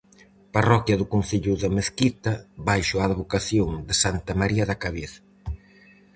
Parroquia do concello da Mezquita baixo a advocación de santa María da Cabeza.